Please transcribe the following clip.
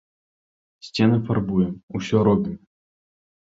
Сцены фарбуем, усё робім.